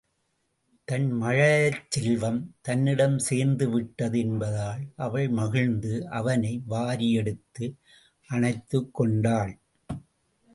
தன் மழலைச் செல்வம் தன்னிடம் சேர்ந்துவிட்டது என்பதால் அவள் மகிழ்ந்து அவனை வாரி எடுத்து அணைத்துக்கொண்டாள்.